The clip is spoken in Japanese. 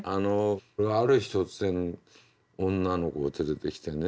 ある日突然女の子を連れてきてね